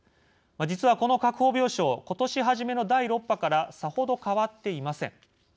実は、この確保病床ことし初めの第６波からさほど変わっていません。